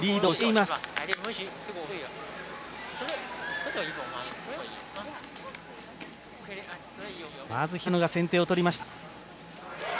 まず平野が先手を取りました。